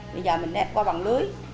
bây giờ mình ép qua bằng lưới